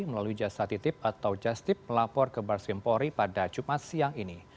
melalui jasa titip atau jastip melapor ke barskimpori pada jumat siang ini